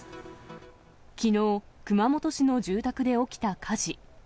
きのう、熊本市の住宅で起きた火事。